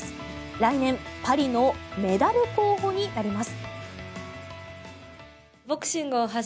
来年パリのメダル候補になります。